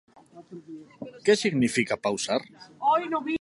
¿Que significa pausar?